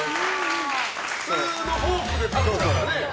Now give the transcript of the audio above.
普通のフォークで食べちゃうからね。